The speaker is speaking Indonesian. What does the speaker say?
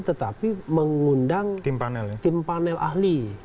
tetapi mengundang tim panel ahli